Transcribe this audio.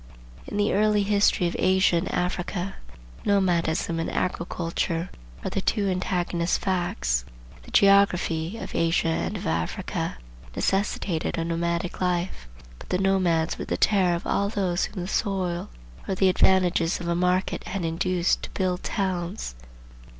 In the early history of Asia and Africa, Nomadism and Agriculture are the two antagonist facts. The geography of Asia and of Africa necessitated a nomadic life. But the nomads were the terror of all those whom the soil or the advantages of a market had induced to build towns.